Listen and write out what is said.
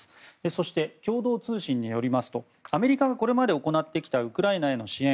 そして、共同通信によりますとアメリカがこれまで行ってきたウクライナへの支援